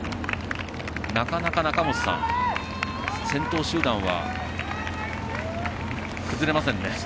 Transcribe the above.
なかなか、中本さん先頭集団は崩れませんね。